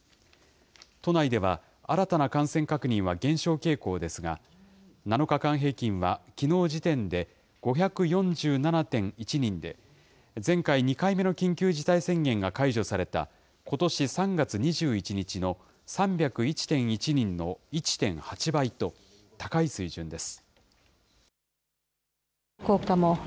都内では新たな感染確認は減少傾向ですが、７日間平均はきのう時点で５４７．１人で、ぜんかい２かいめのきんきゅうじたいせんがんのです、前回２回目の緊急事態宣言が解除された、ことし３月２１日の３０１．１人の１．８倍と、高い水準です。